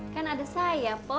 kan ada saya po